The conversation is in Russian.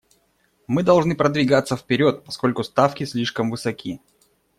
Мы должны продвигаться вперед, поскольку ставки слишком высоки.